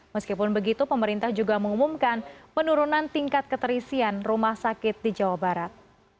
meskipun begitu pemerintah juga mengumumkan penurunan tingkat keterisian rumah sakit di jawa barat